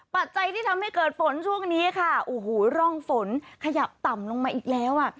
ปัจจัยที่ทำให้เกิดฝนช่วงนี้ค่ะโอ้โหร่องฝนขยับต่ำลงมาอีกแล้วอ่ะ